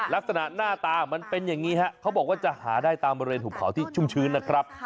ลักษณะหน้าตามันเป็นอย่างนี้ฮะเขาบอกว่าจะหาได้ตามบริเวณหุบเขาที่ชุ่มชื้นนะครับ